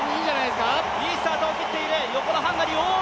いいスタートを切っている。